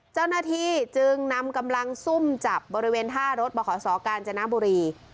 เจ้าหน้าที่จึงนำกำลังซุ่มจับบริเวณท่ารถบขศกาญจนบุรี